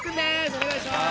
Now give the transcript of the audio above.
お願いします。